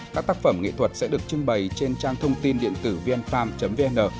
các tác phẩm nghệ thuật sẽ được trưng bày trên trang thông tin điện tử vnpam vn